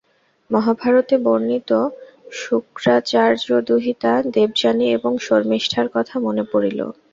মহাভারতে বণির্ত শুক্রাচার্যদুহিতা দেবযানী এবং শর্মিষ্ঠার কথা মনে পড়িল।